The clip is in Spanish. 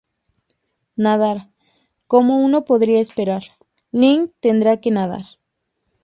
Nadar: como uno podría esperar, Link tendrá que nadar.